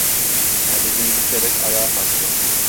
Kadehini dikerek ayağa kalktı.